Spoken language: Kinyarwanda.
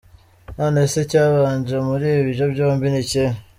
None se icyabanje muri ibyo byombi ni ikihe?